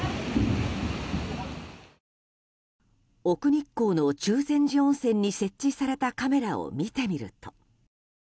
奥日光の中禅寺温泉に設置されたカメラを見てみると。